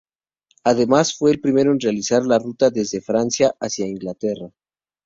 Además, fue el primero en realizar la ruta desde Francia hacia Inglaterra.